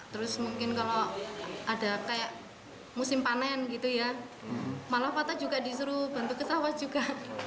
terus mungkin kalau ada kayak musim panen gitu ya malah patah juga disuruh bantu ke sawah juga